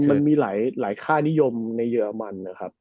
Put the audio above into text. มันมีหลายค่านิยมในเยอรมันนะครับ